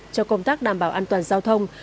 cho công tác đảm bảo an toàn giao thông